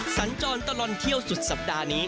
สัญจรตลอดเที่ยวสุดสัปดาห์นี้